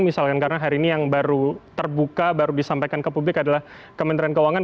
misalkan karena hari ini yang baru terbuka baru disampaikan ke publik adalah kementerian keuangan